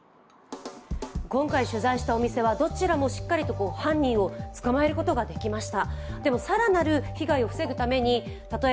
今回取材したお店はどちらもしっかりと犯人を捕まえることができました。